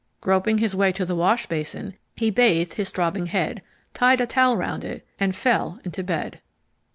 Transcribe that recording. Groping his way to the wash basin, he bathed his throbbing head, tied a towel round it, and fell into bed.